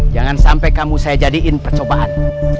jangan sampai kamu saya jadiin percobaan